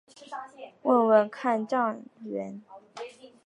问问看站员